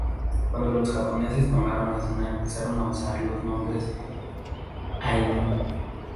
Cuando los japoneses tomaron la zona empezaron a usar los nombres ainu.